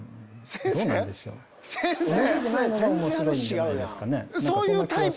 先生！